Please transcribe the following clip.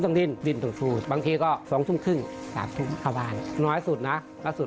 ไม่มีวันหยุดแล้วแต่วันหน้าเหยุดแล้วแต่วันหน้าเหยุด